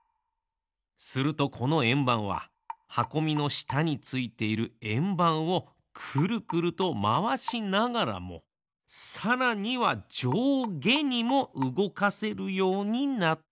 するとこのえんばんははこみのしたについているえんばんをくるくるとまわしながらもさらにはじょうげにもうごかせるようになったのです。